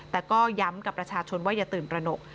แต่ก็ย้ำกับประชาชนว่าอย่าตื่นตระหนก